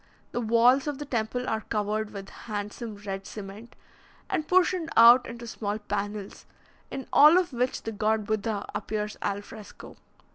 The walls of the temple are covered with handsome red cement, and portioned out into small panels, in all of which the god Buddha appears al fresco.